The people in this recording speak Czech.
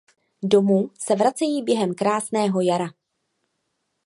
Domů se vracejí během krásného jara.